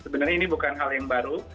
sebenarnya ini bukan hal yang baru